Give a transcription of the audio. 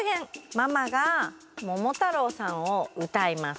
ママが「ももたろうさん」をうたいます。